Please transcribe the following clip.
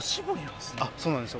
そうなんですよ